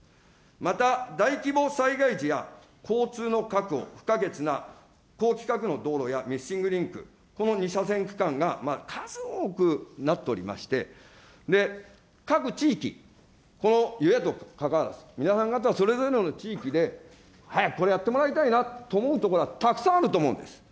また、大規模災害時や、交通の確保、不可欠なこうきかくの道路や、ミッシングリンク、この２車線区間が数多くなっておりまして、各地域、この与野党かかわらず、皆さん方、それぞれの地域で、早くこれやってもらいたいなと思う所はたくさんあると思うんです。